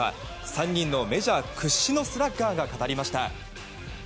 ３人のメジャー屈指のスラッガーが語りました。